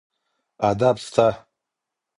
ادب سته.